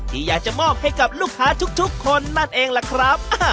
ที่อยากจะมอบให้กับลูกค้าทุกคนนั่นเองล่ะครับ